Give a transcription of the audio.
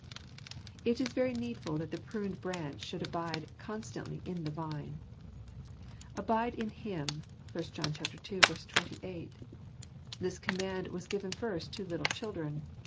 It is very needful that the pruned branch should abide constantly in the vine . "Abide in Him !" (1 John ii. 28). This command was given first to little children